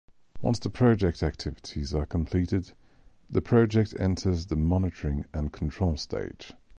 Once the project activities are completed, the project enters the monitoring and control stage.